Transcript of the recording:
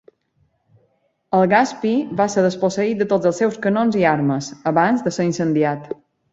El Gaspee va ser desposseït de tots els seus canons i armes, abans de ser incendiat.